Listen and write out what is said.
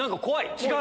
違う！